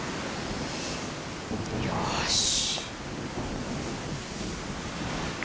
よし。